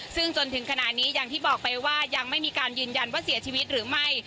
ซึ่งจนถึงขณะนี้อย่างที่บอกไปว่ายังไม่มีการยืนยันว่าเสียชีวิตหรือไม่